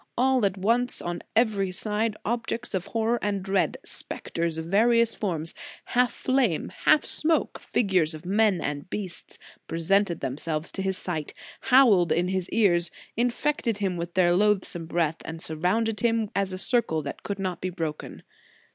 All at once, and on every side, objects of horror and dread, spectres of various forms, half flame, half smoke, figures of men and beasts, presented themselves to his sight, howled in his ears, infected him with their loathsome breath, and surrounded him as with a circle that could not be broken.